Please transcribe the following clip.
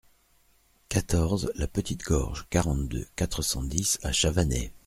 quatorze la Petite Gorge, quarante-deux, quatre cent dix à Chavanay